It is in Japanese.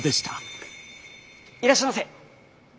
いらっしゃいませ。